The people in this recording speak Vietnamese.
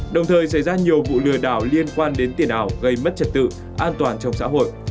đồng thời xảy ra nhiều vụ lừa đảo liên quan đến tiền ảo gây mất trật tự an toàn trong xã hội